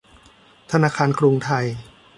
ธนาคารกรุงไทย